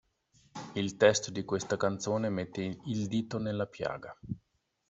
Il testo di questa canzone mette il dito nella piaga.